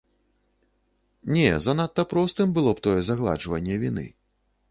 Не, занадта простым было б тое загладжванне віны.